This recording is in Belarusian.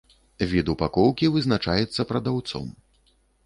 Від упакоўкі вызначаецца прадаўцом.